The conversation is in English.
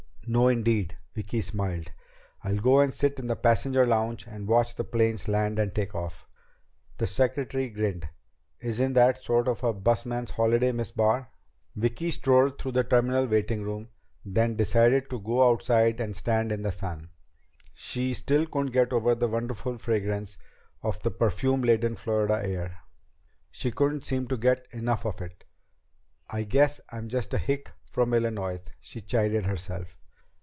"No indeed." Vicki smiled. "I'll go sit in the passenger lounge and watch the planes land and take off." The secretary grinned. "Isn't that sort of a busman's holiday, Miss Barr?" Vicki strolled through the terminal waiting room, then decided to go outside and stand in the sun. She still couldn't get over the wonderful fragrance of the perfume laden Florida air. She couldn't seem to get enough of it. "I guess I'm just a hick from Illinois," she chided herself.